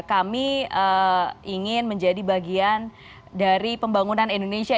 kami ingin menjadi bagian dari pembangunan indonesia